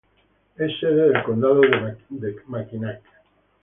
Es sede del condado de Mackinac.